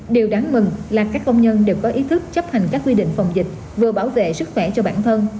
điều đáng mừng là các công nhân đều có ý thức chấp hành các quy định phòng dịch vừa bảo vệ sức khỏe cho bản thân